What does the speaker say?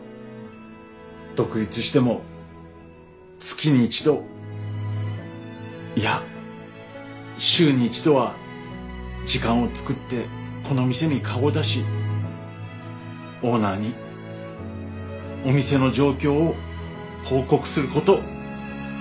独立しても月に一度いや週に一度は時間を作ってこの店に顔を出しオーナーにお店の状況を報告すること。